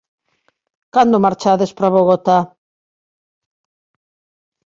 Cando marchades para Bogotá?